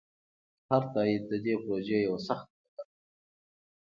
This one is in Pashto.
هر تایید د دې پروژې یوه سخته ډبره ده.